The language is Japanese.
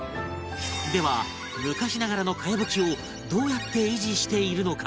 では昔ながらの茅葺きをどうやって維持しているのか？